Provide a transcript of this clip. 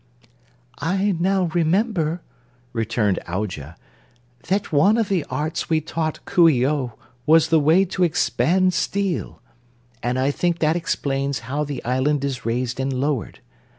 "I now remember," returned Aujah, "that one of the arts we taught Coo ee oh was the way to expand steel, and I think that explains how the island is raised and lowered.